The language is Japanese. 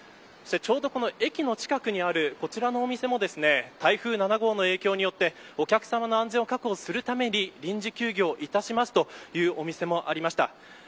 ちょうどこの駅の近くにあるこちらのお店も台風７号の影響でお客さまの安全を確保するために臨時休業いたしますというお店もありました。